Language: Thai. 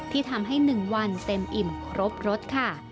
ที่ทำให้๑วันเต็มอิ่มครบรสค่ะ